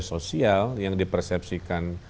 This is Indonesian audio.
sosial yang dipersepsikan